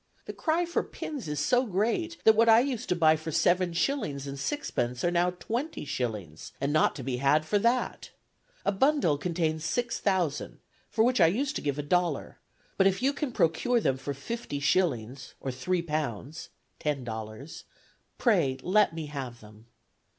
The cry for pins is so great that what I used to buy for seven shillings and sixpence are now twenty shillings, and not to be had for that. A bundle contains six thousand, for which I used to give a dollar; but if you can procure them for fifty shillings, or three pounds (ten dollars), pray let me have them.